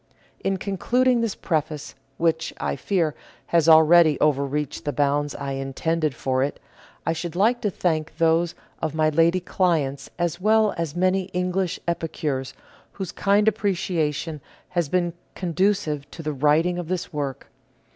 In concluding this preface, which, I fear, has already over PREFACE reached the bounds I intended for it, I should like to thank those of my lady clients as well as many English epicures whose kind appreciation has been conducive to the writing of this work.